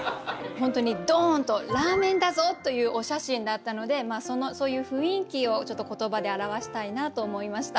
本当にドーンと「ラーメンだぞ！」というお写真だったのでそういう雰囲気をちょっと言葉で表したいなと思いました。